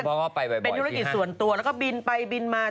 เป็นธุรกิจส่วนตัวแล้วก็บินไปบินมา